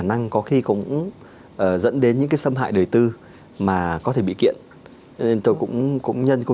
năng có khi cũng dẫn đến những cái xâm hại đời tư mà có thể bị kiện nên tôi cũng cũng nhân câu